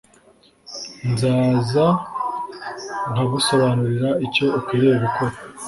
nzaza nkagusobanurira icyo ukwiriye gukora